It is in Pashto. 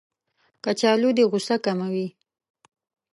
کچالو د غوسه کموي